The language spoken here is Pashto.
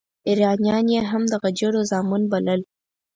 ایرانیان یې هم د غجرو زامن بلل.